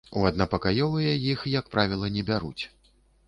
У аднапакаёвыя іх, як правіла, не бяруць.